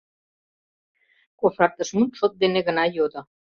Кошартышмут шот дене гына йодо: